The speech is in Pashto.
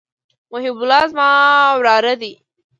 محب الله زما وراره دئ.